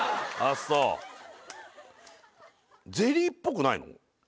ああそうゼリーっぽくないの？